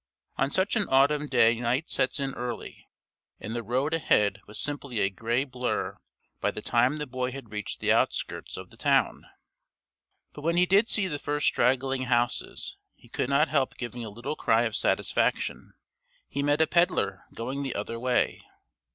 On such an autumn day night sets in early, and the road ahead was simply a gray blur by the time the boy had reached the outskirts of the town. But when he did see the first straggling houses he could not help giving a little cry of satisfaction. He met a pedlar going the other way.